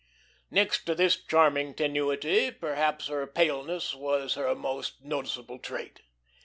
Next to this charming tenuity, perhaps her paleness was her most noticeable trait.